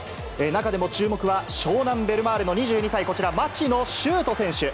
中でも、注目は湘南ベルマーレの２２歳、こちら、町野修斗選手。